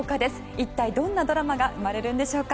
一体どんなドラマが生まれるのでしょうか。